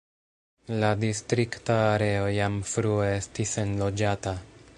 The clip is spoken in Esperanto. La distrikta areo jam frue estis enloĝata.